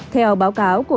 theo báo cáo của